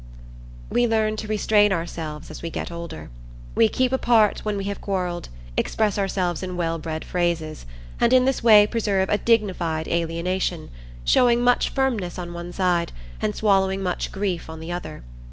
We learn to restrain ourselves as we get older. We keep apart when we have quarrelled, express ourselves in well bred phrases, and in this way preserve a dignified alienation, showing much firmness on one side, and swallowing much grief on the other.